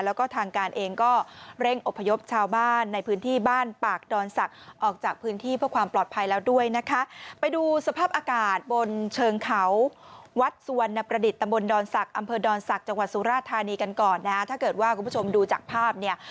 แล้วก็ทางการเองก็เร่งอบพยพชาวบ้านในพื้นที่บ้านปากดอนศักดิ์